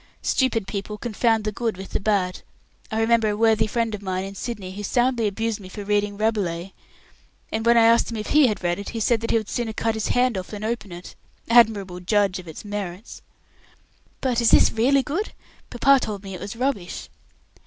"Stupid people confound the good with the bad. I remember a worthy friend of mine in Sydney who soundly abused me for reading 'Rabelais', and when I asked him if he had read it, he said that he would sooner cut his hand off than open it. Admirable judge of its merits!" "But is this really good? Papa told me it was rubbish."